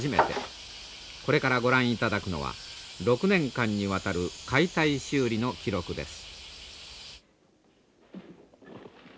これからご覧いただくのは６年間にわたる解体修理の記録です。